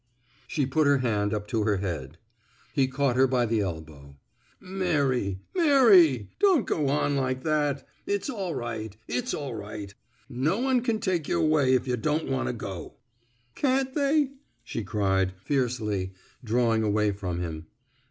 She put her hand up to her head. He caught her by the elbow. Mary I ... Mary I ... Don't go on like that. It's all right. It's all right. No one can take y' away, if yuh don't want to go." Can't theyf " she cried, fiercely, draw ing away from him.